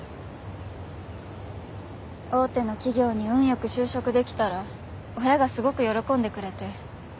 大手の企業に運よく就職できたら親がすごく喜んでくれて。